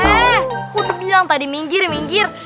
eh kudu bilang tadi minggir minggir